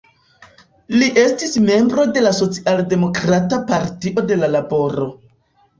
Li estis membro de la socialdemokrata Partio de la Laboro.